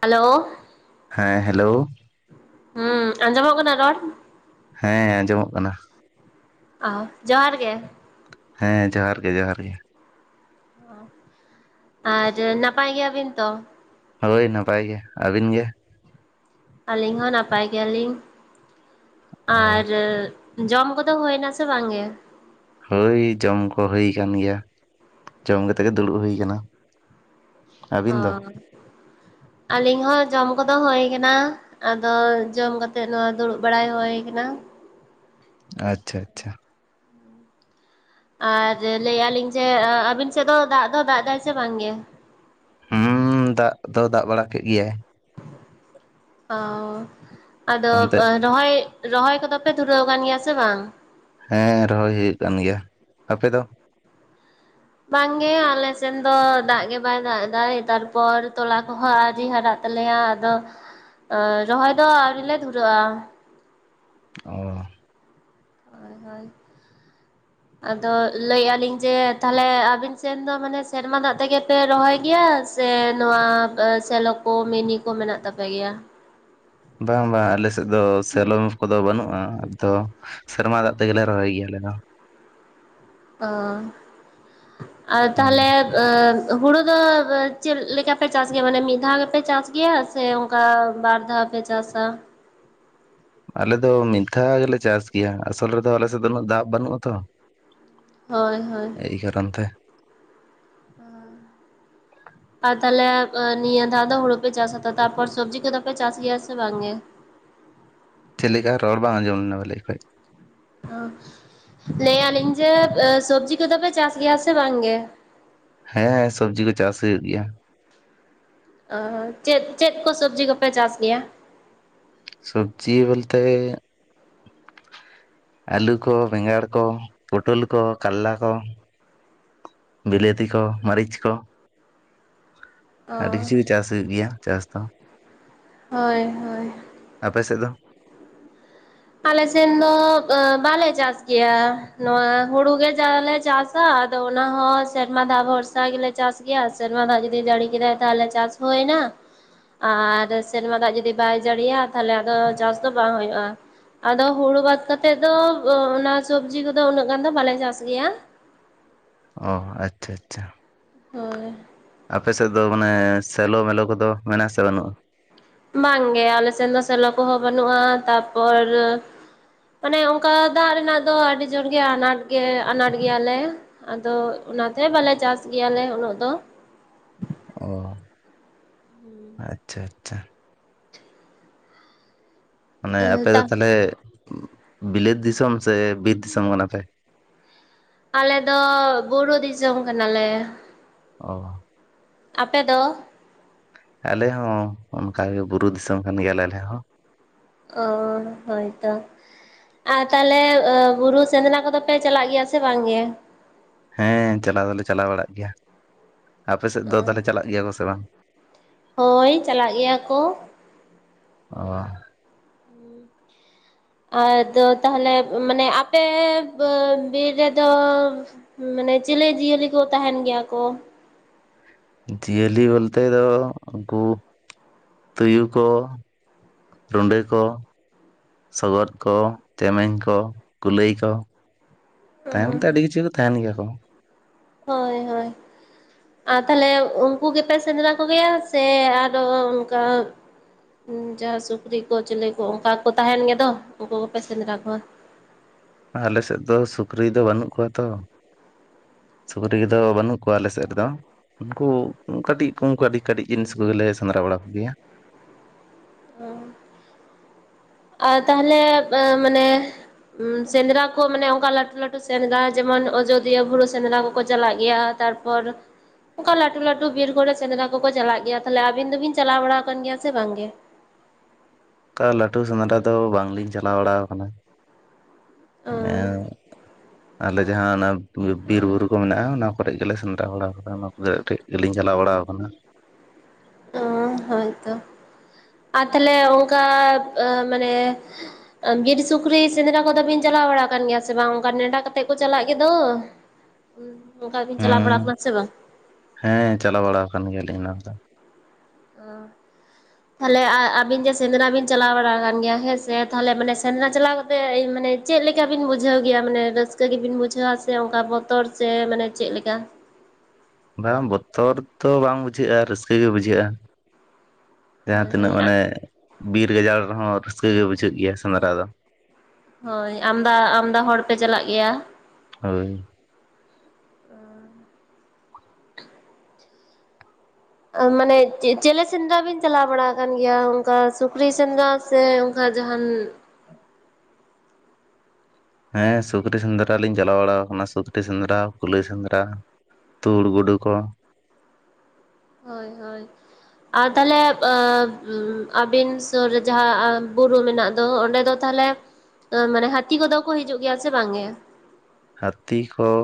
Hello ᱦᱮᱸ hello ᱦᱩᱸ ᱟᱸᱡᱚᱢᱚᱜ ᱠᱟᱱᱟ ᱨᱚᱲ ᱦᱮᱸ ᱟᱸᱡᱚᱢᱚᱜ ᱠᱟᱱᱟ᱾ ᱚᱦᱚ ᱡᱚᱦᱟᱨ ᱜᱮ ᱦᱮᱸ ᱡᱚᱦᱟᱨ ᱜᱮ ᱡᱚᱦᱟᱨ ᱜᱮ ᱚᱸ ᱟᱨ ᱱᱟᱯᱟᱭ ᱜᱮᱭᱟᱵᱤᱱ ᱛᱚ ᱦᱟᱹᱭ ᱱᱟᱯᱟᱭ ᱜᱮ ᱟᱵᱤᱱ ᱜᱮ ᱟᱞᱤᱧ ᱦᱚᱸ ᱱᱟᱯᱟᱭ ᱜᱮᱭᱟᱞᱤᱧ ᱚ ᱟᱻᱨᱟᱹᱜ ᱡᱚᱢ ᱠᱚᱫᱚ ᱦᱳᱭᱱᱟ ᱥᱮ ᱵᱟᱝᱜᱮ ᱦᱳᱭ ᱡᱚᱢ ᱠᱚ ᱦᱩᱭ ᱟᱠᱟᱱ ᱜᱮᱭᱟ ᱡᱚᱢ ᱠᱟᱛᱮ ᱜᱮ ᱫᱩᱲᱩᱵ ᱦᱩᱭ ᱠᱟᱱᱟ᱾ ᱟᱹᱵᱤᱱ ᱚᱻ [inaudible] ᱟᱹᱞᱤᱧ ᱦᱚᱸ ᱡᱚᱢ ᱠᱚ ᱫᱚ ᱦᱳᱭ ᱟᱠᱟᱱᱟ ᱾ ᱟᱫᱚ ᱡᱚᱢ ᱠᱟᱛᱮᱫ ᱱᱠᱚᱣ ᱫᱩᱲᱩᱵ ᱵᱟᱲᱟᱭ ᱦᱩᱭ ᱟᱠᱟᱱᱟ ᱾ ᱟᱪᱪᱷᱟ ᱟᱪᱪᱷᱟ ᱟᱨ ᱞᱟᱹᱭ ᱮᱭᱟ ᱞᱤᱧ ᱡᱮ ᱟᱹᱵᱤᱱ ᱥᱮᱫ ᱫᱚ ᱫᱟᱜ ᱫᱚ ᱫᱟᱜ ᱮᱫᱟᱭ ᱥᱮ ᱵᱟᱝ ᱜᱮ? ᱦᱩᱸ ᱫᱟᱜ ᱫᱚ ᱫᱟᱜ ᱵᱟᱲᱟ ᱠᱮᱫ ᱜᱮᱭᱟᱭ ᱚᱸ ᱟᱫᱚ ᱚᱱᱛᱮ ᱨᱚᱦᱚᱭ ᱨᱚᱦᱚᱭ ᱠᱚᱫᱚ ᱯᱮ ᱫᱷᱩᱨᱟᱹᱣ ᱟᱠᱟᱱ ᱜᱮᱭᱟ ᱥᱮ ᱵᱟᱝ? ᱦᱮᱸ ᱨᱚᱦᱚᱭ ᱦᱩᱭᱩᱜ ᱠᱟᱱ ᱜᱮᱭᱟ ᱟᱯᱮ ᱫᱚ? ᱵᱟᱝᱜᱮ ᱟᱞᱮ ᱥᱮᱱ ᱫᱚ ᱫᱟᱜ ᱜᱮ ᱵᱟᱭ ᱫᱟᱜ ᱮᱫᱟ ᱛᱟᱨᱯᱚᱨ ᱛᱚᱞᱟ ᱠᱚᱦᱚᱸ ᱟᱹᱣᱨᱤ ᱦᱟᱨᱟᱜ ᱛᱟᱞᱮᱭᱟ ᱟᱫᱚ ᱨᱚᱦᱚᱭ ᱫᱚ ᱟᱹᱣᱨᱤ ᱞᱮ ᱫᱷᱩᱨᱟᱹᱜᱼᱟ᱾ ᱚᱸ ᱦᱳᱭ ᱦᱳᱭ [inaudible] ᱟᱫᱚ ᱞᱟᱹᱭ ᱮᱭᱟ ᱞᱤᱧ ᱡᱮ ᱛᱟᱦᱞᱮ ᱟᱵᱤᱱ ᱥᱮᱱ ᱫᱚ ᱢᱟᱱᱮ ᱥᱮᱨᱢᱟ ᱫᱟᱜ ᱛᱮᱜᱮᱯᱮ ᱨᱚᱦᱚᱭ ᱜᱮᱭᱟ? ᱥᱮ ᱱᱚᱣᱟ ᱥᱮᱞᱚ ᱠᱚ ᱢᱤᱱᱤ ᱠᱚ ᱢᱮᱱᱟᱜ ᱛᱟᱯᱮᱜ ᱜᱮᱭᱟ? ᱵᱟᱝ ᱵᱟᱝ ᱟᱞᱮ ᱥᱮᱫ ᱫᱚ ᱥᱮᱞᱚ ᱠᱚᱫᱚ ᱵᱟᱹᱱᱩᱜᱼᱟ ᱟᱫᱚ ᱥᱮᱨᱢᱟ ᱫᱟᱜ ᱛᱮ ᱜᱮ ᱞᱮ ᱨᱚᱦᱚᱭ ᱜᱮᱭᱟ ᱟᱞᱮ ᱫᱚ ᱚᱸ ᱟᱨ ᱛᱟᱦᱚᱞᱮ ᱦᱩᱲᱩ ᱫᱚ ᱪᱮᱫ ᱞᱮᱠᱟ ᱯᱮ ᱪᱟᱥ ᱜᱮᱭᱟ ᱢᱟᱱᱮ ᱢᱤᱫ ᱫᱷᱟᱣ ᱜᱮᱯᱮ ᱪᱟᱥ ᱜᱮᱭᱟ ᱥᱮ ᱚᱱᱠᱟ ᱵᱟᱨ ᱫᱷᱟᱣ ᱯᱮ ᱪᱟᱥᱟ ᱟᱞᱮ ᱫᱚ ᱢᱤᱫ ᱫᱷᱟᱣ ᱜᱮᱞᱮ ᱪᱟᱥ ᱜᱮᱭᱟ ᱟᱥᱚᱞ ᱨᱮᱫᱚ ᱟᱞᱮᱥᱮᱫ ᱫᱚ ᱩᱱᱟᱹᱜ ᱫᱟᱜ ᱵᱟᱹᱱᱩᱜᱼᱟ ᱛᱚ ᱦᱳᱭ ᱦᱳᱭ ᱮᱭ ᱠᱠᱨᱚᱱ ᱛᱮ᱾ [inaudible] ᱟᱨ ᱛᱟᱦᱞᱮ ᱮ ᱱᱤᱭᱟᱹ ᱫᱷᱟᱣ ᱫᱚ ᱦᱩᱲᱩ ᱯᱮ ᱪᱟᱥ ᱟᱛᱚ ᱛᱟᱯᱚᱨ ᱥᱚᱵᱽᱡᱤ ᱠᱚᱫᱚ ᱯᱮ ᱪᱟᱥ ᱜᱮᱭᱟ ᱥᱮ ᱵᱟᱝᱜᱮ? ᱪᱮᱫ ᱞᱮᱠᱟ ᱨᱚᱲ ᱵᱟᱝ ᱟᱸᱡᱚᱢ ᱞᱮᱱᱟ ᱵᱷᱞᱮ ᱚᱠᱚᱡ? ᱚ ᱞᱟᱹᱭᱮᱟᱞᱤᱧ ᱡᱮ ᱮ ᱥᱚᱵᱡᱽᱤ ᱠᱚᱫᱚ ᱯᱮ ᱪᱟᱥ ᱜᱮᱭᱟ ᱥᱮ ᱵᱟᱝ ᱜᱮ? ᱦᱮᱸ ᱥᱚᱵᱽᱡᱤ ᱠᱚ ᱪᱟᱥ ᱦᱩᱭᱩᱜ ᱜᱮᱭᱟ᱾ ᱚ ᱪᱮᱫ ᱪᱮᱫ ᱠᱚ ᱥᱚᱵᱡᱤ ᱠᱚᱯᱮ ᱪᱟᱥ ᱜᱮᱭᱟ? ᱥᱚᱵᱡᱤ ᱵᱚᱞᱛᱮ ᱟᱹᱞᱩ ᱠᱚ ᱵᱮᱸᱜᱟᱲ ᱠᱚ ᱯᱳᱴᱳᱞ ᱠᱚ ᱠᱟᱞᱞᱟ ᱠᱚ᱾ ᱵᱤᱞᱟᱹᱛᱤ ᱠᱚ ᱢᱟᱹᱨᱤᱪ ᱠᱚ᱾ ᱟᱹᱰᱤ ᱚ ᱠᱤᱪᱷᱩ ᱜᱮ ᱪᱟᱥ ᱦᱩᱭᱩᱜ ᱜᱮᱭᱟ ᱪᱟᱥ ᱫᱚ᱾ ᱦᱳᱭ ᱦᱳᱭ ᱟᱯᱮ ᱥᱮᱫ ᱫᱚ? ᱟᱞᱮ ᱥᱮᱱ ᱫᱚ ᱮᱸ ᱵᱟᱞᱮ ᱪᱟᱥ ᱜᱮᱭᱟ ᱱᱚᱣᱟ ᱦᱩᱲᱩ ᱜᱮ ᱡᱟᱞᱮ ᱪᱟᱥ ᱟ ᱟᱫᱚ ᱚᱱᱟ ᱦᱚᱸ ᱥᱮᱨᱢᱟ ᱫᱟᱜ ᱵᱷᱚᱨᱥᱟ ᱜᱮᱞᱮ ᱪᱟᱥ ᱜᱮᱭᱟ ᱥᱮᱨᱢᱟ ᱫᱟᱜ ᱡᱩᱫᱤ ᱡᱟᱹᱲᱤ ᱠᱮᱫᱟᱭ ᱛᱟᱦᱚᱞᱮ ᱪᱟᱥ ᱦᱳᱭᱮᱱᱟ, ᱟᱨ ᱥᱮᱨᱢᱟ ᱫᱟᱜ ᱡᱩᱫᱤ ᱵᱟᱭ ᱡᱟᱹᱲᱤᱭᱟ ᱛᱟᱦᱚᱞᱮ ᱟᱫᱚ ᱪᱟᱥ ᱫᱚ ᱵᱟᱝ ᱦᱩᱭᱩᱜᱼᱟ᱾ ᱟᱫᱚ ᱦᱩᱲᱩ ᱵᱟᱫ ᱠᱟᱛᱮᱫ ᱫᱚ ᱚ ᱚᱱᱟ ᱥᱚᱵᱡᱤ ᱠᱚᱫᱚ ᱩᱱᱟᱹᱜ ᱜᱟᱱ ᱫᱚ ᱵᱟᱞᱮ ᱪᱟᱥ ᱜᱮᱭᱟ᱾ ᱚ ᱟᱪᱪᱷᱟ ᱟᱪᱪᱷᱟ᱾ ᱦᱳᱭ᱾ ᱟᱯᱮ ᱥᱮᱫ ᱫᱚ ᱢᱟᱱᱮ ᱥᱮᱞᱳ ᱢᱮᱞᱳ ᱠᱚᱫᱚ ᱢᱮᱱᱟᱜᱼᱟ ᱥᱮ ᱵᱟᱹᱱᱩᱜᱼᱟ? ᱵᱟᱝᱜᱮ ᱟᱞᱮ ᱥᱮᱱ ᱫᱚ ᱥᱮᱞᱚ ᱠᱚᱦᱚᱸ ᱵᱟᱹᱱᱩᱜᱼᱟ ᱛᱟᱯᱚᱨ ᱢᱟᱱᱮ ᱚᱱᱠᱟ ᱫᱟᱜ ᱨᱮᱱᱟᱜ ᱫᱚ ᱟᱹᱰᱤ ᱡᱳᱨ ᱜᱮ ᱟᱱᱟᱴ ᱜᱮ ᱟᱱᱟᱴ ᱜᱮᱭᱟᱞᱮ᱾ ᱟᱫᱚ ᱚᱱᱟᱛᱮ ᱵᱟᱞᱮ ᱪᱟᱥ ᱜᱮᱭᱟᱞᱮ ᱩᱱᱟᱹᱜ ᱫᱚ᱾ ᱚ ᱟᱪᱪᱷᱟ ᱟᱪᱪᱷᱟ᱾ ᱢᱟᱱᱮ ᱟᱯᱮ ᱫᱚ ᱛᱟ ᱛᱟᱞᱦᱮ ᱵᱤᱞᱟᱹᱛ ᱫᱤᱥᱚᱢ ᱥᱮ ᱵᱤᱨ ᱫᱤᱥᱚᱢ ᱠᱟᱱᱟ ᱯᱮ? ᱟᱞᱮ ᱫᱚ ᱵᱩᱨᱩ ᱫᱤᱥᱚᱢ ᱠᱟᱱᱟᱞᱮ᱾ ᱚ᱾ ᱟᱯᱮ ᱫᱚ? ᱟᱞᱮ ᱦᱚᱸ ᱚᱱᱠᱟ ᱜᱮ ᱵᱩᱨᱩ ᱫᱤᱥᱚᱢ ᱠᱟᱱ ᱜᱮᱭᱟᱞᱮ ᱟᱞᱮ ᱦᱚᱸ᱾ ᱚ ᱦᱳᱭ ᱛᱚ᱾ ᱟᱨ ᱛᱟᱦᱞᱮ ᱮ ᱵᱩᱨᱩ ᱥᱮᱸᱫᱽᱨᱟ ᱠᱚᱫᱚ ᱯᱮ ᱪᱟᱞᱟᱜ ᱜᱮᱭᱟ ᱥᱮ ᱵᱟᱝ ᱜᱮ? ᱦᱮᱸ ᱪᱟᱞᱟᱣ ᱫᱚᱞᱮ ᱪᱟᱞᱟᱣ ᱵᱟᱲᱟᱜ ᱜᱮᱭᱟ᱾ ᱟᱯᱮ ᱥᱮᱫ ᱫᱚ ᱛᱟᱞᱦᱮ ᱪᱟᱞᱟᱜ ᱜᱮᱭᱟ ᱠᱚ ᱥᱮ ᱵᱟᱝ? ᱦᱳᱭ, ᱪᱟᱞᱟᱜ ᱜᱮᱭᱟ ᱠᱚ᱾ ᱚ᱾ ᱟᱫᱚ ᱛᱟᱦᱚᱞᱮ ᱢᱟᱱᱮ ᱟᱯᱮ ᱵᱟᱹ ᱵᱤᱨ ᱨᱮᱫᱚ ᱢᱟᱱᱮ ᱪᱮᱞᱮ ᱡᱤᱭᱟᱹᱞᱤ ᱠᱚ ᱛᱟᱦᱮᱱ ᱜᱮᱭᱟ ᱠᱚ? ᱡᱤᱭᱟᱹᱞᱤ ᱵᱚᱞᱛᱮ ᱫᱚ ᱩᱱᱠᱩ ᱛᱩᱭᱩ ᱠᱚ, ᱨᱩᱸᱰᱟᱹ ᱠᱚ, ᱥᱚᱜᱚᱫ ᱠᱚ, ᱪᱮᱢᱮᱧ ᱠᱚ, ᱠᱩᱞᱟᱹᱭ ᱠᱚ᱾ ᱛᱟᱦᱮᱸ ᱵᱚᱞᱛᱮ ᱟᱹᱰᱤ ᱠᱤᱪᱷᱩ ᱠᱚ ᱛᱟᱦᱮᱱ ᱜᱮᱭᱟ ᱠᱚ᱾ ᱦᱳᱭ ᱦᱳᱭ᱾ ᱟᱨ ᱛᱟᱞᱦᱮ ᱩᱱᱠᱩ ᱜᱮᱯᱮ ᱥᱮᱸᱫᱽᱨᱟ ᱠᱚᱜᱮᱭᱟ ᱥᱮ ᱟᱨᱚ ᱚᱱᱠᱟ ᱩᱸ ᱡᱟᱦᱟᱸ ᱥᱩᱠᱨᱤ ᱠᱚ ᱪᱮᱞᱮ ᱠᱚ ᱚᱱᱠᱟ ᱠᱚ ᱛᱟᱦᱮᱱ ᱜᱮᱫᱚ, ᱩᱱᱠᱩ ᱠᱚᱯᱮ ᱥᱮᱸᱫᱽᱨᱟ ᱠᱚᱣᱟ᱾ ᱟᱞᱮ ᱥᱮᱫ ᱫᱚ ᱥᱩᱠᱨᱤ ᱫᱚ ᱵᱟᱹᱱᱩᱜ ᱠᱚᱣᱟ ᱛᱚ᱾ ᱥᱩᱠᱨᱤ ᱫᱚ ᱵᱟᱹᱱᱩᱜ ᱠᱚᱣᱟ ᱟᱞᱮ ᱥᱮᱫ ᱨᱮ ᱫᱚ᱾ ᱩᱱᱠᱩ ᱠᱟᱹᱴᱤᱡ ᱠᱚ ᱠᱟᱹᱴᱤᱡ ᱠᱟᱹᱴᱤᱡ ᱡᱤᱱᱤᱥ ᱠᱚᱜᱮ ᱞᱮ ᱥᱮᱸᱫᱽᱨᱟ ᱵᱟᱲᱟ ᱠᱚᱜᱮᱭᱟ᱾ [unintelligible] ᱟᱨ ᱛᱟᱦᱚᱞᱮ [inaudible] ᱢᱟᱱᱮ ᱩᱸ ᱥᱮᱸᱫᱽᱨᱟ ᱠᱚ ᱢᱟᱱᱮ ᱚᱝᱠᱟ ᱞᱟᱴᱩ ᱞᱟᱴᱩ ᱥᱮᱸᱫᱽᱨᱟ ᱡᱮᱢᱚᱱ ᱚᱡᱚᱫᱤᱭᱟᱹ ᱵᱩᱨᱩ ᱥᱮᱸᱫᱽᱨᱟ ᱠᱚᱠᱚ ᱪᱟᱞᱟᱜ ᱜᱮᱭᱟ, ᱛᱟᱨ ᱯᱚᱨ ᱚᱱᱠᱟ ᱞᱟᱴᱩ ᱞᱟᱹᱴᱩ ᱵᱤᱨ ᱠᱚᱨᱮ ᱥᱮᱸᱫᱽᱨᱟ ᱠᱚᱠᱚ ᱪᱟᱞᱟᱜ ᱜᱮᱭᱟ, ᱛᱟᱦᱞᱮ ᱟᱵᱤᱱ ᱫᱚᱵᱤᱱ ᱪᱟᱞᱟᱣ ᱵᱟᱲᱟ ᱟᱠᱟᱱ ᱜᱮᱭᱟ ᱥᱮ ᱵᱟᱝᱜᱮ? ᱚᱠᱟ ᱞᱟᱹᱴᱩ ᱥᱮᱸᱫᱽᱨᱟ ᱫᱚ ᱵᱟᱝᱞᱤᱧ ᱪᱟᱞᱟᱣ ᱵᱟᱲᱟᱣ ᱟᱠᱟᱱᱟ ᱾ ᱚ [unintelligible] ᱟᱞᱮ ᱡᱟᱦᱟᱸ ᱚᱱᱟ ᱵᱤ ᱵᱤᱨ ᱵᱩᱨᱩ ᱠᱚ ᱢᱮᱱᱟᱜᱼᱟ, ᱚᱱᱟ ᱠᱚᱨᱮᱜ ᱜᱮᱞᱮ ᱥᱮᱸᱫᱽᱨᱟ ᱵᱟᱲᱟ ᱠᱚᱣᱟ, ᱚᱱᱟ ᱠᱚᱨᱮ ᱜᱮᱞᱤᱧ ᱪᱟᱞᱟᱣ ᱵᱟᱲᱟ ᱟᱠᱟᱱᱟ᱾ ᱚ ᱦᱳᱭᱛᱚ ᱟᱨ ᱛᱟᱦᱚᱞᱮ ᱚᱱᱠᱟ ᱟ ᱢᱟᱱᱮ ᱵᱤᱨ ᱥᱩᱠᱨᱤ ᱥᱮᱸᱫᱽᱨᱟ ᱠᱚᱫᱚ ᱵᱤᱱ ᱪᱟᱞᱟᱣ ᱵᱟᱲᱟ ᱟᱠᱟᱱ ᱜᱮᱭᱟ ᱥᱮ ᱵᱟᱝ, ᱚᱱᱠᱟ ᱱᱮᱱᱰᱟ ᱠᱟᱛᱮᱫ ᱠᱚ ᱪᱟᱞᱟᱜ ᱜᱮᱫᱚ? [unintelligible] ᱚᱱᱠᱟ ᱵᱤᱱ ᱪᱟᱞᱟᱣ ᱵᱟᱲᱟ ᱦᱩᱸ ᱟᱠᱟᱱᱟ ᱥᱮ ᱵᱟᱝ? ᱦᱮᱸ ᱪᱟᱞᱟᱣ ᱵᱟᱲᱟ ᱟᱠᱟᱱ ᱜᱮᱭᱟᱞᱤᱧ ᱚᱱᱟ ᱠᱚᱫᱚ᱾ [unintelligible] ᱛᱟᱦᱚᱞᱮ ᱟ ᱟᱵᱤᱱ ᱡᱮ ᱥᱮᱸᱫᱽᱨᱟ ᱵᱤᱱ ᱪᱟᱞᱟᱣ ᱵᱟᱲᱟ ᱟᱠᱟᱱ ᱜᱮᱭᱟ ᱦᱮᱸᱥᱮ, ᱛᱟᱦᱚᱞᱮ ᱢᱟᱱᱮ ᱥᱮᱸᱫᱽᱨᱟ ᱪᱟᱞᱟᱣ ᱠᱟᱛᱮ ᱮ ᱢᱟᱱᱮ ᱪᱮᱫ ᱞᱮᱠᱟ ᱵᱤᱱ ᱵᱩᱡᱷᱟᱹᱣ ᱜᱮᱭᱟ ᱢᱟᱱᱮ ᱨᱟᱹᱥᱠᱟᱹ ᱜᱮᱵᱤᱱ ᱵᱩᱡᱷᱟᱹᱣᱟ ᱥᱮ ᱚᱱᱠᱟ ᱵᱚᱛᱚᱨ ᱥᱮ ᱢᱟᱱᱮ ᱪᱮᱫ ᱞᱮᱠᱟ? ᱵᱟᱝ ᱵᱚᱛᱚᱨ ᱫᱚ ᱵᱟᱝ ᱵᱩᱡᱷᱟᱹᱜ-ᱟ ᱨᱟᱹᱥᱠᱟᱹ ᱜᱮ ᱵᱩᱡᱷᱟᱹᱜ-ᱟ᱾ ᱡᱟᱦᱟᱸ ᱦᱳᱭ ᱦᱳᱭ ᱛᱤᱱᱟᱹᱜ ᱢᱟᱱᱮ ᱵᱤᱨ ᱜᱟᱡᱟᱲ ᱨᱮᱦᱚᱸ ᱨᱟᱹᱥᱠᱟᱹ ᱜᱮ ᱵᱩᱡᱷᱟᱹᱜ ᱜᱮᱭᱟ ᱥᱮᱸᱫᱽᱨᱟ ᱫᱚ᱾ ᱦᱳᱭ ᱟᱢᱫᱟ ᱟᱢᱫᱟ ᱦᱚᱲ ᱯᱮ ᱪᱟᱞᱟᱜ ᱜᱮᱭᱟ? ᱦᱳᱭ, ᱟ ᱢᱟᱱᱮ ᱪᱮ ᱪᱮᱞᱮ ᱥᱮᱸᱫᱽᱨᱟ ᱵᱤᱱ ᱪᱟᱞᱟᱣ ᱵᱟᱲᱟ ᱟᱠᱟᱱ ᱜᱮᱭᱟ ᱚᱱᱠᱟ ᱥᱩᱠᱨᱤ ᱥᱮᱸᱫᱽᱨᱟ? ᱥᱮ ᱚᱱᱠᱟ ᱡᱟᱦᱟᱱ ᱦᱮᱸ ᱥᱩᱠᱨᱤ ᱥᱮᱸᱫᱽᱨᱟ ᱞᱤᱧ ᱪᱟᱞᱟᱣ ᱵᱟᱲᱟᱣ ᱟᱠᱟᱱᱟ ᱥᱩᱠᱨᱤ ᱥᱮᱸᱫᱽᱨᱟ ᱠᱩᱞᱟᱹᱭ ᱥᱮᱸᱫᱽᱨᱟ ᱾ ᱛᱩᱲ ᱜᱩᱰᱩ ᱠᱚ ᱾ ᱦᱳᱭ ᱦᱳᱭ ᱾ ᱟᱨ ᱛᱟᱦᱚᱞᱮ ᱟᱸ ᱩᱸ ᱟᱹᱵᱤᱱ ᱥᱩᱨ ᱨᱮ ᱡᱟᱦᱟᱸ ᱵᱩᱨᱩ ᱢᱮᱱᱟᱜ ᱫᱚ ᱚᱰᱮ ᱫᱚ ᱛᱟᱦᱚᱞᱮ ᱢᱟᱱᱮ ᱦᱟᱹᱛᱤ ᱠᱚᱫᱚ ᱠᱚ ᱦᱤᱡᱩᱜ ᱜᱮᱭᱟ ᱥᱮ ᱵᱟᱝ ᱜᱮ? ᱦᱟᱹᱛᱤ ᱠᱚᱞ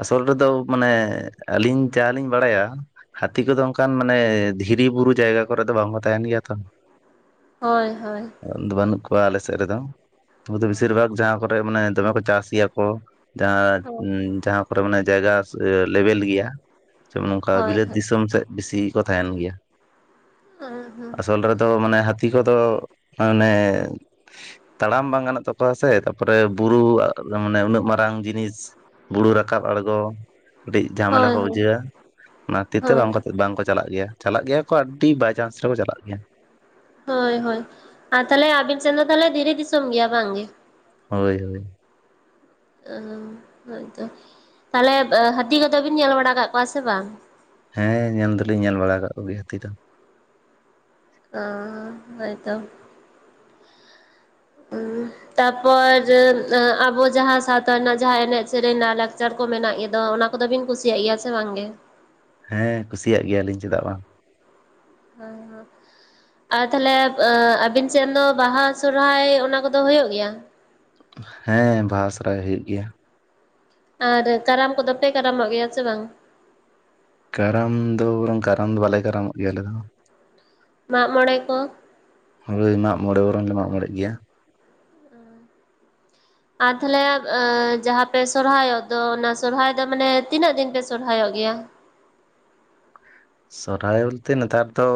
ᱟᱥᱚᱞ ᱨᱮᱫᱚ ᱢᱟᱱᱮ ᱟᱹᱞᱤᱧ ᱡᱟᱦᱟᱸᱞᱤᱧ ᱵᱟᱲᱟᱭᱟ ᱦᱟᱹᱛᱤ ᱠᱚᱫᱚ ᱚᱱᱠᱟᱱ ᱢᱟᱱᱮ ᱫᱷᱤᱨᱤ ᱵᱩᱨᱩ ᱡᱟᱭᱜᱟ ᱠᱚᱨᱮ ᱫᱚ ᱵᱟᱝᱠᱚ ᱛᱟᱦᱮᱸᱱ ᱜᱮᱭᱟ ᱛᱚ ᱾ ᱦᱳᱭ ᱦᱳᱭ ᱾ [unintelligible] ᱵᱟᱹᱱᱩᱜ ᱠᱚᱣᱟ ᱟᱞᱮ ᱥᱮᱫ ᱨᱮᱫᱚ ᱾ᱩᱱᱠᱩ ᱦᱳᱭ ᱦᱳᱭ ᱫᱚ ᱵᱮᱥᱤᱨ ᱵᱷᱟᱜᱽ ᱡᱟᱦᱟᱸ ᱠᱚᱨᱮ ᱢᱟᱱᱮ ᱫᱚᱢᱮ ᱠᱚ ᱪᱟᱥ ᱜᱮᱭᱟ ᱠᱚ ᱡᱟᱦᱟᱸ ᱩᱸ ᱡᱟᱦᱟᱸ ᱠᱚᱨᱮ ᱢᱟᱱᱮ ᱡᱟᱭᱜᱟ ᱞᱮᱵᱮᱞ ᱜᱮᱭᱟ [unintelligible] ᱱᱚᱝᱠᱟ ᱵᱤᱞᱟᱹᱛ ᱦᱳᱭ ᱫᱤᱥᱟᱹᱢ ᱥᱮᱫ ᱵᱮᱥᱤ ᱠᱚ ᱛᱟᱦᱮᱱ ᱜᱮᱭᱟ ᱾ ᱟᱥᱚᱞ ᱨᱮᱫᱚ ᱢᱟᱱᱮ ᱦᱟᱹᱛᱤ ᱠᱚᱫᱚ ᱢᱟᱱᱮ ᱛᱟᱲᱟᱢ ᱵᱟᱝ ᱜᱟᱱᱚᱜ ᱛᱟᱠᱚᱣᱟ ᱥᱮ ᱛᱟᱯᱚᱨᱮ ᱵᱩᱨᱩ ᱢᱟᱱᱮ ᱩᱱᱟᱹᱜ ᱢᱟᱨᱟᱝ ᱡᱤᱱᱤᱥ ᱵᱩᱨᱩ ᱨᱟᱠᱟᱵ ᱟᱬᱜᱚ ᱠᱟᱹᱴᱤᱡ ᱡᱷᱟᱢᱮᱞᱟ ᱠᱚ ᱦᱳᱭ ᱵᱩᱡᱷᱟᱹᱣᱟ ᱚᱱᱟ ᱠᱷᱟᱛᱤᱨ ᱛᱮ ᱵᱟᱝ ᱦᱳᱭ ᱵᱟᱝᱠᱚ ᱪᱟᱞᱟᱜ ᱜᱮᱭᱟ᱾ ᱪᱟᱞᱟᱜ ᱜᱮᱭᱟ ᱠᱚ ᱟᱹᱰᱤ ᱵᱟᱭ ᱪᱟᱱᱥ ᱨᱮᱠᱚ ᱪᱟᱞᱟᱜ ᱜᱮᱭᱟ᱾ ᱦᱳᱭ ᱦᱳᱭ ᱟᱨ ᱛᱟᱦᱚᱞᱮ ᱟᱵᱤᱱ ᱥᱮᱱ ᱫᱚ ᱛᱟᱦᱚᱞᱮ ᱫᱷᱤᱨᱤ ᱫᱤᱥᱚᱢ ᱜᱮᱭᱟ ᱵᱟᱝᱜᱮ? ᱦᱳᱭ ᱦᱳᱭ᱾ [unintelligible] ᱦᱳᱭᱛᱚ ᱛᱟᱦᱚᱞᱮ ᱦᱟᱹᱛᱤ ᱠᱚᱫᱚ ᱵᱤᱱ ᱧᱮᱞ ᱵᱟᱲᱟ ᱟᱠᱟᱫ ᱠᱚᱣᱟ ᱥᱮ ᱵᱟᱝ? ᱦᱮᱸ ᱧᱮᱞ ᱫᱚᱞᱤᱧ ᱧᱮᱞ ᱵᱟᱲᱟ ᱠᱟᱜ ᱠᱚ ᱜᱮᱭᱟ ᱦᱟᱹᱛᱤ ᱫᱚ ᱾ ᱚᱻ ᱦᱚᱭᱛᱚ, [unintelligible] ᱛᱟᱨᱯᱚᱨ ᱟᱵᱚ ᱡᱟᱦᱟᱸ ᱥᱟᱶᱛᱟ ᱨᱮᱱᱟᱜ ᱡᱟᱦᱟᱸ ᱮᱱᱮᱡ ᱥᱮᱨᱮᱧ ᱨᱮᱱᱟ ᱞᱟᱭᱞᱟᱠᱪᱟᱨ ᱠᱚ ᱢᱮᱱᱟᱜ ᱜᱮᱫᱚ ᱚᱱᱟ ᱠᱚᱫᱚᱵᱤᱱ ᱠᱩᱥᱤᱭᱟᱜ ᱜᱮᱭᱟ ᱥᱮ ᱵᱟᱝᱜᱮ ᱦᱮᱸ ᱠᱩᱥᱤᱭᱟᱜ ᱜᱮᱭᱟᱞᱤᱧ ᱪᱮᱫᱟᱜ ᱵᱟᱝ [unintelligible] ᱟᱨ ᱛᱟᱦᱚᱞᱮ ᱟᱵᱤᱱ ᱥᱮᱱ ᱫᱚ ᱵᱟᱦᱟ ᱥᱚᱨᱦᱟᱭ ᱚᱱᱟ ᱠᱚᱫᱚ ᱦᱩᱭᱩᱜ ᱜᱮᱭᱟ ᱦᱮᱸ ᱵᱟᱦᱟ ᱥᱚᱦᱨᱟᱭ ᱦᱩᱭᱩᱜ ᱜᱮᱭᱟ ᱟᱨ ᱠᱟᱨᱟᱢ ᱠᱚᱫᱚ ᱯᱮ ᱠᱟᱨᱟᱢᱚᱜ ᱜᱮᱭᱟ ᱥᱮ ᱵᱟᱝ ᱠᱟᱨᱟᱢ ᱫᱚ ᱵᱚᱨᱚᱝ ᱠᱟᱨᱟᱢ ᱫᱚ ᱵᱟᱞᱮ ᱠᱟᱨᱟᱢᱚᱜ ᱜᱮᱭᱟ ᱟᱞᱮ ᱫᱚ ᱢᱟᱜ ᱢᱚᱬᱮ ᱠᱚ ᱦᱳ ᱢᱟᱜ ᱢᱚᱬᱮ ᱵᱚᱨᱚᱝ ᱞᱮ ᱢᱟᱜ ᱢᱚᱬᱮ ᱜᱮᱭᱟ ᱟᱨ ᱛᱟᱦᱚᱞᱮ ᱡᱟᱦᱟᱸ ᱯᱮ ᱥᱚᱨᱦᱟᱭᱚᱜ ᱫᱚ ᱚᱱᱟ ᱥᱚᱨᱦᱟᱭ ᱫᱚ ᱢᱟᱱᱮ ᱛᱤᱱᱟᱹᱜ ᱫᱤᱱ ᱯᱮ ᱥᱚᱨᱦᱟᱭᱚᱜ ᱜᱮᱭᱟ ᱥᱚᱨᱚᱦᱟᱭ ᱵᱚᱞᱛᱮ ᱱᱮᱛᱟᱨ ᱫᱚ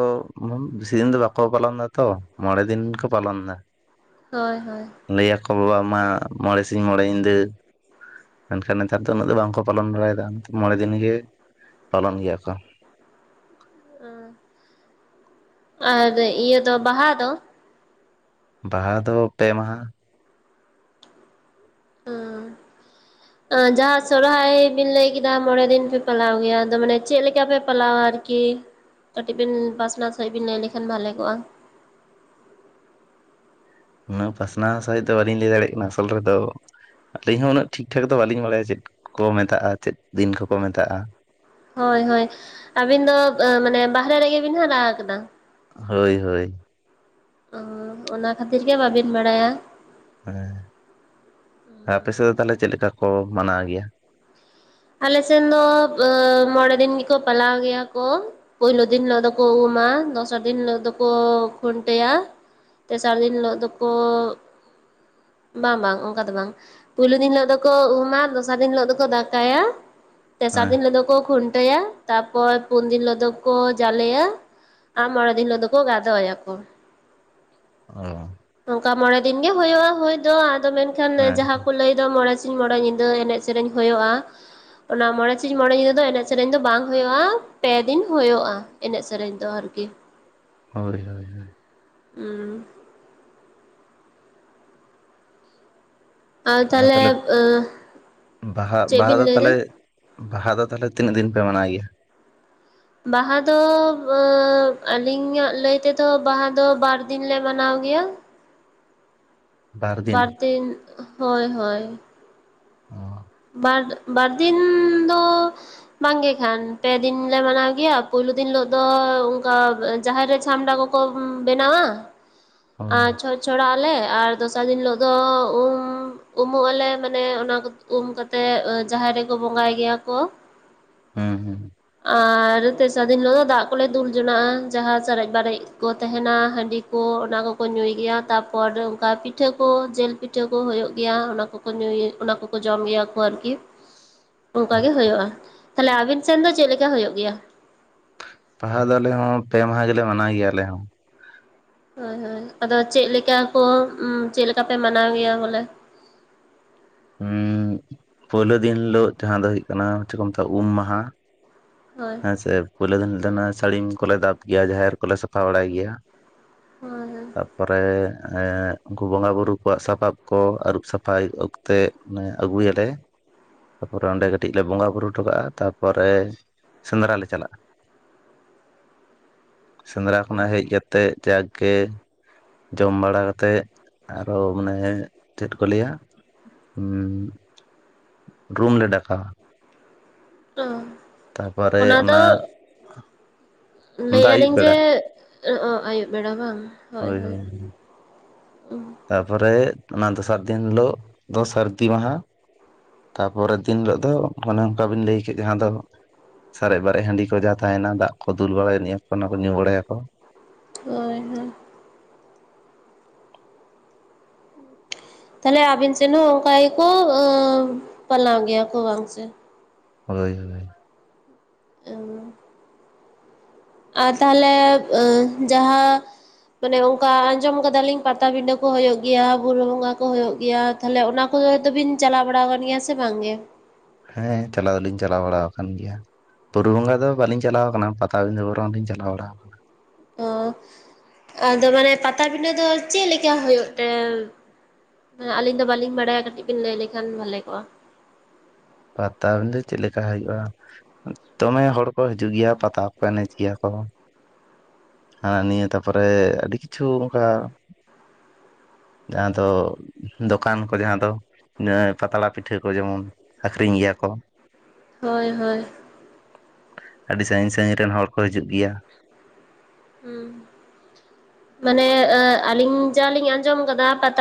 ᱵᱮᱥᱤ ᱫᱤᱱ ᱫᱚ ᱵᱟᱠᱚ ᱯᱟᱞᱚᱱ ᱮᱫᱟᱛᱚ ᱢᱚᱬᱮ ᱫᱤᱱ ᱠᱚ ᱯᱟᱞᱚᱱ ᱮᱫᱟ ᱦᱳᱭ ᱦᱳᱭ ᱞᱟᱹ ᱟᱠᱚ ᱵᱟᱵᱟ ᱢᱟ ᱢᱚᱬᱮ ᱥᱤᱧ ᱢᱚᱬᱮ ᱧᱤᱫᱟᱹ ᱢᱮᱱᱠᱷᱟᱱ ᱱᱮᱛᱟᱨ ᱫᱚ ᱩᱱᱟᱹᱜ ᱫᱚ ᱵᱟᱝᱠᱚ ᱯᱟᱞᱚᱱ ᱵᱟᱲᱟᱭᱮᱫᱟ ᱢᱚᱬᱮ ᱫᱤᱱ ᱜᱮ ᱯᱟᱞᱚᱱ ᱜᱮᱭᱟ ᱠᱚ ᱚᱸ ᱟᱨ ᱤᱭᱟᱹ ᱫᱚ ᱵᱟᱦᱟ ᱫᱚ? ᱵᱟᱦᱟ ᱫᱚ ᱯᱮ ᱢᱟᱦᱟ [inaudible] ᱡᱟᱦᱟᱸ ᱥᱚᱨᱦᱟᱭ ᱵᱤᱱ ᱞᱟᱹᱭ ᱠᱮᱫᱟ ᱢᱚᱬᱮ ᱫᱤᱱ ᱯᱮ ᱯᱟᱞᱟᱣ ᱜᱮᱭᱟ ᱟᱫᱚ ᱢᱟᱱᱮ ᱪᱮᱫ ᱞᱮᱠᱟ ᱯᱮ ᱯᱟᱞᱟᱣᱟ ᱟᱨᱠᱤ ᱠᱟᱹᱴᱤᱡ ᱵᱮᱤᱱ ᱯᱟᱥᱱᱟᱣ ᱥᱟᱺᱦᱤᱡ ᱵᱤᱱ ᱞᱟᱹᱭ ᱞᱮᱠᱷᱟᱱ ᱵᱷᱟᱞᱮ ᱠᱚᱜᱼᱟ᱾ ᱩᱱᱟᱹᱜ ᱯᱟᱥᱱᱟ ᱥᱟᱦᱤᱡ ᱫᱚ ᱵᱟᱞᱤᱧ ᱞᱟᱹᱭ ᱫᱟᱲᱮᱭᱟᱜ ᱠᱟᱱᱟ ᱟᱫᱚᱞ ᱨᱮ ᱫᱚ ᱟᱹᱞᱤᱧ ᱦᱚᱸ ᱩᱱᱟᱹᱜ ᱴᱷᱤᱠ ᱴᱷᱟᱠ ᱫᱚ ᱵᱟᱹᱞᱤᱧ ᱵᱟᱲᱟᱭᱟ ᱪᱮᱫ ᱠᱚ ᱢᱮᱛᱟᱜᱼᱟ ᱪᱮᱫ ᱫᱤᱱ ᱠᱚᱠᱚ ᱢᱮᱛᱟᱜᱼᱟ᱾ ᱦᱳᱭ ᱦᱳᱭ ᱟᱹᱵᱤᱱ ᱫᱚ ᱢᱟᱱᱮ ᱵᱟᱦᱨᱮ ᱨᱮᱜᱮ ᱵᱤᱱ ᱦᱟᱨᱟ ᱟᱠᱟᱫᱟ᱾ ᱦᱳᱭ ᱦᱳᱭ ᱚᱸ ᱚᱱᱟ ᱠᱷᱟᱹᱛᱤᱨ ᱜᱮ ᱵᱟᱹᱵᱤᱱ ᱵᱟᱲᱟᱭᱟ ᱦᱮᱸ ᱟᱯᱮ ᱥᱮᱫ ᱫᱚ ᱛᱟᱦᱚᱞᱮ ᱪᱮᱫ ᱞᱮᱠᱟ ᱠᱚ ᱢᱟᱱᱟᱣ ᱜᱮᱭᱟ ᱟᱞᱮᱥᱮᱱ ᱫᱚ ᱢᱚᱬᱮ ᱫᱤᱱ ᱜᱮᱠᱚ ᱯᱟᱞᱟᱣ ᱜᱮᱭᱟ ᱠᱚ ᱯᱩᱭᱞᱩ ᱫᱤᱱ ᱦᱤᱞᱳᱜ ᱫᱚᱠᱚ ᱩᱢᱟ ᱫᱚᱥᱟᱨ ᱫᱤᱱ ᱦᱤᱞᱳᱜ ᱫᱚᱠᱚ ᱠᱷᱩᱱᱴᱟᱹᱭᱟ ᱛᱮᱥᱟᱨ ᱫᱤᱱ ᱦᱤᱞᱳᱜ ᱫᱚᱠᱚ ᱵᱟᱝ ᱵᱟᱝ ᱚᱱᱠᱟ ᱫᱚ ᱵᱟᱝ ᱯᱩᱭᱞᱩ ᱫᱤᱱ ᱦᱤᱞᱳ ᱫᱚᱠᱚ ᱩᱢᱟ ᱟᱨ ᱫᱚᱥᱟᱨ ᱫᱤᱱ ᱦᱤᱞᱚᱜ ᱫᱚᱠᱚ ᱫᱟᱜ ᱠᱟᱭᱟ ᱛᱮᱥᱟᱨ ᱦᱮᱸ ᱫᱤᱱ ᱦᱤᱞᱚᱜ ᱫᱚ ᱠᱚ ᱠᱷᱩᱱᱴᱟᱹᱭᱟ ᱛᱟᱯᱚᱨ ᱯᱩᱱ ᱫᱤᱱ ᱦᱤᱞᱳᱜ ᱫᱚᱠᱚ ᱡᱟᱞᱮᱭᱟ ᱟᱨ ᱢᱚᱬᱮ ᱫᱤᱱ ᱦᱤᱞᱳ ᱫᱚᱠᱚ ᱜᱟᱫᱚᱭᱟ ᱠᱚ ᱚᱸ ᱚᱱᱠᱟ ᱢᱚᱲ ᱫᱤᱱᱜᱤ ᱦᱩᱭᱩᱜᱼᱟ ᱦᱳᱭ ᱫᱚ ᱟᱫᱚ ᱢᱮᱱᱠᱷᱟᱱ ᱦᱮᱸ ᱡᱟᱦᱟᱸᱠᱚ ᱞᱟᱹᱭ ᱫᱚ ᱢᱚᱬᱮ ᱥᱤᱝ ᱢᱚᱬᱮ ᱧᱤᱫᱟᱹ ᱮᱱᱮᱡ ᱥᱮᱨᱮᱧ ᱦᱩᱭᱩᱜᱼᱟ᱾ ᱚᱱᱟ ᱢᱚᱬᱮ ᱥᱤᱝ ᱢᱚᱬᱮ ᱧᱤᱫᱟᱹ ᱫᱚ ᱮᱱᱮᱡ ᱥᱮᱨᱮᱧ ᱫᱚ ᱵᱟᱝ ᱦᱩᱭᱩᱜᱼᱟ ᱯᱮ ᱫᱤᱱ ᱦᱩᱭᱩᱜᱼᱟ ᱮᱱᱮᱡ ᱥᱮᱨᱮᱧ ᱫᱚ ᱟᱨᱠᱤ ᱦᱳᱭ ᱦᱳᱭ ᱦᱳᱭ [unintelligible] ᱟᱨ ᱛᱟᱦᱚᱞᱮ ᱵᱟᱦᱟ ᱪᱮᱫ ᱵᱟᱦᱟ ᱵᱤᱱ ᱫᱚ ᱞᱟᱹᱭᱫᱟ ᱛᱟᱦᱚᱞᱮ ᱵᱟᱦᱟ ᱫᱚ ᱛᱟᱦᱚᱞᱮ ᱛᱤᱱᱟᱹᱜ ᱫᱤᱱ ᱯᱮ ᱢᱟᱱᱟᱣ ᱜᱮᱭᱟ ᱵᱟᱦᱟ ᱫᱚ ᱟᱞᱤᱧᱟᱜ ᱞᱟᱹᱭ ᱛᱮᱫᱚ ᱵᱟᱦᱟ ᱫᱚ ᱵᱟᱨᱫᱤᱱᱞᱮ ᱢᱟᱱᱟᱣ ᱜᱮᱭᱟ ᱵᱟᱨ ᱫᱤᱱ ᱦᱳᱭ ᱦᱳᱭ ᱚ ᱵᱟᱨ ᱵᱟᱨᱫᱤᱱ ᱫᱚ ᱵᱟᱝᱜᱮ ᱠᱷᱟᱱ ᱯᱮ ᱫᱤᱱ ᱞᱮ ᱢᱟᱱᱟᱣ ᱜᱮᱭᱟ ᱯᱩᱭᱞᱩ ᱫᱤᱱ ᱦᱤᱞᱳ ᱫᱚ ᱚᱱᱠᱟ ᱡᱟᱦᱮᱨ ᱨᱮ ᱪᱷᱟᱢᱰᱟ ᱠᱚ ᱠᱚ ᱵᱮᱱᱟᱣᱟ [unintelligible] ᱟ ᱪᱷᱚᱧ ᱪᱷᱚᱲᱟᱜ ᱟᱞᱮ ᱟᱨ ᱫᱚᱥᱟᱨ ᱫᱤᱱ ᱦᱤᱞᱳᱜ ᱫᱚ ᱩᱢ ᱩᱢᱩᱜ ᱟᱞᱮ ᱢᱟᱱᱮ ᱚᱱᱟ ᱠᱚ᱾ ᱩᱢ ᱠᱟᱛᱮᱜ ᱡᱟᱦᱮᱨ ᱨᱮᱠᱚ ᱵᱚᱸᱜᱟᱭ ᱜᱮᱭᱟ ᱠᱚ᱾ ᱦᱩᱸ ᱦᱩᱸ ᱟᱨ ᱛᱮᱥᱟᱨ ᱫᱤᱱ ᱦᱤᱞᱳᱜ ᱫᱚ ᱫᱟᱜ ᱠᱚᱞᱮ ᱫᱩᱞ ᱡᱚᱱᱟᱜᱼᱟ ᱡᱟᱦᱟᱸ ᱥᱟᱨᱮᱡ ᱵᱟᱨᱮᱡ ᱠᱚ ᱛᱟᱦᱮᱱᱟ ᱦᱟᱺᱰᱤ᱾ ᱚᱱᱟ ᱠᱚᱠᱚ ᱧᱩᱭ ᱜᱮᱭᱟ ᱛᱟᱯᱚᱨ ᱚᱱᱠᱟ ᱯᱤᱴᱷᱟᱹ ᱠᱚ ᱡᱤᱞ ᱯᱤᱴᱷᱟᱹ ᱠᱚ ᱦᱚ ᱦᱩᱭᱩᱜ ᱜᱮᱭᱟ ᱚᱱᱟ ᱠᱚ᱾ ᱠᱚ ᱧᱩᱭ ᱚᱱᱟ ᱠᱚ᱾ ᱡᱚᱢ ᱜᱮᱭᱟ ᱠᱚ ᱟᱨᱠᱤ ᱚᱱᱠᱟ ᱜᱮ ᱟᱪᱪᱷᱟ ᱦᱩᱭᱩᱜᱼᱟ᱾ ᱛᱟᱦᱞᱮ ᱟᱵᱤᱱ ᱥᱮᱱ ᱫᱚ ᱪᱮᱫ ᱞᱮᱠᱟ ᱦᱩᱭᱩᱜ ᱜᱮᱭᱟ? ᱵᱟᱦᱟ ᱫᱚ ᱟᱞᱮ ᱦᱚᱸ ᱯᱮ ᱢᱟᱦᱟ ᱜᱮᱞᱮ ᱢᱟᱱᱟᱣ ᱜᱮᱭᱟ ᱟᱞᱮ ᱦᱚᱸ᱾ ᱦᱳᱭ ᱦᱳᱭ ᱟᱫᱚ ᱪᱮᱫ ᱞᱮᱠᱟ ᱠᱚ ᱪᱮᱫ ᱞᱮᱠᱟ ᱯᱮ ᱢᱟᱱᱟᱣ ᱜᱮᱭᱟ ᱵᱚᱞᱮ᱾ ᱦᱩᱸ ᱯᱩᱭᱞᱩ ᱫᱤᱱ ᱦᱤᱞᱟᱹᱜ ᱡᱟᱦᱟᱸ ᱫᱚ ᱦᱩᱭᱩᱜ ᱠᱟᱱᱟ ᱪᱮᱫ ᱠᱚ ᱢᱮᱛᱟᱜᱼᱟ ᱩᱢ ᱢᱟᱦᱟ᱾ [unintelligible] ᱦᱮᱸ ᱥᱮ ᱯᱳᱞᱳ ᱫᱤᱱᱤᱞᱳ ᱫᱚ ᱥᱟᱹᱲᱤᱢ ᱠᱚᱞᱮ ᱫᱟᱵ ᱜᱮᱭᱟ ᱡᱟᱦᱮᱨ ᱠᱚᱞᱮ ᱥᱟᱯᱷᱟ ᱵᱟᱲᱟᱭ ᱜᱮᱭᱟ᱾ [unintelligible] ᱛᱟᱯᱚᱨᱮ ᱩᱱᱠᱩ ᱵᱚᱸᱜᱟ ᱵᱳᱩᱨᱩᱳ ᱠᱚᱣᱟᱜ ᱥᱟᱯᱟᱵ ᱠᱚ ᱟᱹᱨᱩᱵ ᱥᱟᱯᱷᱟᱭ᱾ ᱛᱮ ᱚᱱᱮ ᱟᱹᱜᱩᱭᱟᱞᱮ ᱛᱟᱯᱚᱨᱮ ᱚᱸᱰᱮ ᱠᱟᱹᱴᱤᱡ ᱞᱮ ᱵᱚᱸᱜᱟ ᱵᱳᱩᱨᱩ ᱦᱚᱴᱚᱠᱟᱜᱼᱟ ᱛᱟᱯᱚᱨᱮ᱾ ᱥᱮᱸᱫᱽᱨᱟ ᱞᱮ ᱪᱟᱞᱟᱜᱼᱟ ᱥᱮᱸᱫᱽᱨᱟ ᱠᱷᱚᱱᱟᱜ ᱦᱮᱡ ᱠᱟᱛᱮᱫ᱾ ᱛᱮ ᱡᱟᱠᱜᱮ᱾ ᱡᱚᱢ ᱵᱟᱲᱟ ᱠᱟᱛᱮᱛ ᱟᱨᱚ ᱢᱟᱱᱮ ᱪᱮᱫ ᱠᱚ ᱞᱟᱹᱭᱟ᱾ ᱨᱩᱢᱞᱮ ᱰᱟᱠᱟᱣᱟ᱾ [unintelligible] ᱛᱟ ᱯᱚᱨᱮ ᱚᱱᱟ᱾ ᱫᱟ ᱞᱟᱹᱭᱮᱫᱼᱟ ᱟᱹᱭᱩᱵ ᱞᱤᱧ ᱡᱮ ᱵᱮᱲᱟ ᱟᱹᱭᱩᱵ ᱵᱮᱲᱟ ᱵᱟᱝ᱾ ᱦᱳᱭ ᱦᱳᱭ ᱛᱟᱯᱚᱨᱮ ᱚᱱᱟ ᱫᱚᱥᱟᱨ ᱫᱤᱱ ᱦᱤᱞᱚᱜ ᱫᱚ ᱥᱟᱹᱨᱫᱤ ᱢᱟᱦᱟ᱾ ᱛᱟᱨᱯᱚᱨᱮ ᱫᱤᱱ ᱦᱤᱞᱳᱜ ᱫᱚ ᱚᱱᱮ ᱚᱱᱠᱟ ᱵᱤᱱ ᱞᱟᱹᱭ ᱠᱮᱫᱮᱜ ᱡᱟᱦᱟᱸ ᱫᱚ᱾ ᱥᱟᱨᱮᱡ ᱵᱟᱨᱮᱡ ᱦᱟᱺᱰᱤ ᱠᱚ ᱡᱟᱦᱟᱸ ᱛᱟᱦᱮᱱᱟ ᱫᱟᱜ ᱠᱚ ᱫᱩᱞ ᱵᱟᱲᱟᱭ ᱱᱭᱟ ᱠᱚ ᱚᱱᱟ ᱠᱚ ᱧᱩ ᱵᱟᱲᱟᱭᱟ ᱠᱚ᱾ ᱦᱳᱭ ᱦᱳᱭ ᱛᱟᱦᱚᱞᱮ ᱟᱵᱤᱱ ᱥᱮᱱ ᱦᱚᱸ ᱚᱱᱠᱟ ᱜᱮᱠᱚ ᱯᱟᱞᱟᱣ ᱜᱮᱭᱟ ᱠᱚ ᱵᱟᱝ ᱥᱮ᱾ ᱦᱳᱭ ᱦᱳᱭ [unintelligible] ᱟᱨ ᱛᱟᱦᱚᱞᱮ ᱡᱟᱦᱟᱸ᱾ ᱢᱟᱱᱮ ᱚᱱᱠᱟ ᱟᱸᱡᱚᱢ ᱠᱟᱫᱟᱞᱤᱧ ᱯᱟᱴᱟᱵᱤᱸᱰᱟᱹ ᱠᱚ ᱦ ᱦᱩᱭᱩᱜᱭᱳ ᱜᱮᱭᱟ ᱵᱩᱨᱩ ᱵᱚᱸᱜᱟ ᱠᱚ ᱦᱳᱭᱳᱜ ᱜᱮᱭᱟ᱾ ᱛᱟᱦᱚᱞᱮ ᱚᱱᱟ ᱠᱚ ᱫᱚᱵᱤᱱ ᱪᱟᱞᱟᱣ ᱵᱟᱲᱟ ᱟᱠᱟᱱ ᱜᱮᱭᱟ ᱥᱮ ᱵᱟᱝᱜᱮ᱾ ᱦᱮᱸ ᱪᱟᱞᱟᱣ ᱫᱚᱞᱤᱧ ᱪᱟᱞᱟᱣ ᱵᱟᱲᱟ ᱟᱠᱟᱱ ᱜᱮᱭᱟ᱾ ᱵᱩᱨᱩ ᱵᱚᱸᱜᱟ ᱫᱚ ᱵᱟᱟᱹᱞᱤᱧ ᱪᱟᱞᱟᱣ ᱟᱠᱟᱱᱟ ᱯᱟᱛᱟ ᱵᱤᱱᱫᱷᱟ ᱵᱚᱨᱚᱱᱞᱤᱧ ᱪᱟᱞᱟᱣ ᱵᱟᱲ ᱟᱠᱟᱱᱟ᱾ ᱚ ᱟᱫᱚ ᱢᱟᱱᱮ ᱯᱟᱛᱲᱟ ᱵᱤᱸᱫᱷᱟᱹ ᱪᱮᱫ ᱞᱮᱠᱟ ᱦᱩᱭᱩᱜ ᱛᱮ᱾ ᱟᱹᱞᱤᱧ ᱫᱚ ᱵᱟᱹᱞᱤᱧ ᱵᱟᱲᱟᱭᱟ ᱠᱟᱹᱴᱤᱡ ᱵᱤᱱ ᱞᱟᱹᱭ ᱞᱮᱠᱷᱟᱱᱷᱟᱮ ᱵᱦᱟᱞᱮ ᱠᱚᱜᱼᱟ᱾ ᱯᱟᱛᱟ ᱵᱤᱸᱫᱷᱟᱹ ᱪᱮᱫ ᱞᱮᱠᱟ ᱦᱩᱭᱩᱜᱼᱟ᱾ ᱫᱚᱢᱮ ᱦᱚᱲ ᱠᱚ ᱦᱤᱡᱩᱜ ᱜᱮᱭᱟ ᱯᱟᱛᱟ ᱠᱚ ᱮᱱᱮᱡ ᱜᱮᱭᱟ ᱠᱚ᱾ ᱱᱤᱭᱟᱹ ᱛᱟᱨᱯᱚᱨᱮ ᱟᱹᱰᱤ ᱠᱤᱪᱷᱩ ᱚᱱᱠᱟ᱾ ᱡᱟᱦᱟᱸ ᱫᱚ ᱫᱚᱠᱟᱱ ᱠᱚ ᱡᱟᱦᱟᱸ ᱫᱚ ᱯᱟᱛᱲᱟ ᱯᱤᱴᱷᱟᱹ ᱠᱚ ᱡᱮᱢᱚᱱ᱾ ᱟᱠᱷᱨᱤᱧ ᱜᱮᱭᱟ ᱠᱚ᱾ ᱦᱳᱭ ᱦᱳᱭ᱾ ᱟᱹᱰᱤ ᱥᱟᱺᱜᱤᱧ ᱥᱟᱺᱜᱤᱧ ᱨᱮᱱ ᱦᱚᱲ ᱠᱚ ᱦᱤᱡᱩᱜ ᱜᱮᱭᱟ᱾ ᱦᱩᱸ ᱢᱟᱱᱮ ᱟᱹᱜ ᱟᱞᱤᱧ ᱡᱟ ᱞᱤᱧ ᱟᱸᱡᱚᱢ ᱠᱟᱫᱟ ᱯᱟᱛᱟᱼᱼ